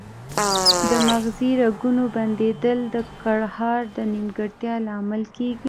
د مغزي رګونو بندیدل د ګړهار د نیمګړتیا لامل کیږي